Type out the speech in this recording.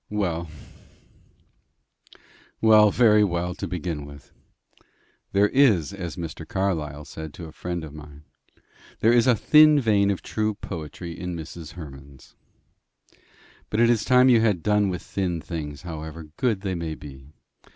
"Well, very well, to begin with. 'There is,' as Mr. Carlyle said to a friend of mine 'There is a thin vein of true poetry in Mrs. Hemans.' But it is time you had done with thin things, however good they may be.